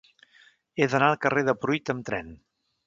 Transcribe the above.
He d'anar al carrer de Pruit amb tren.